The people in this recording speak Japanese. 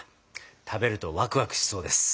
食べるとワクワクしそうです。